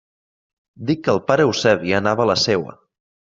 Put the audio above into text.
Dic que el pare Eusebi anava a la seua.